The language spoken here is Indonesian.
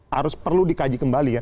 harus perlu dikaji kembali ya